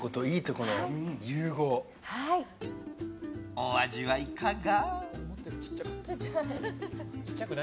お味はいかが？